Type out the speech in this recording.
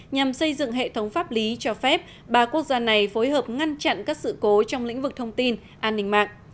nhằm xây dựng hệ thống pháp lý cho phép ba quốc gia này phối hợp ngăn chặn các sự cố trong lĩnh vực thông tin an ninh mạng